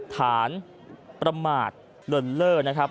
ฐานประมาทเลินเล่อนะครับ